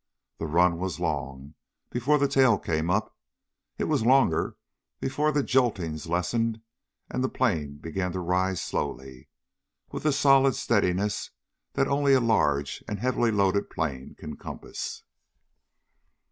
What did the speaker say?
The run was long before the tail came up. It was longer before the joltings lessened and the plane began to rise slowly, with the solid steadiness that only a large and heavily loaded plane can compass.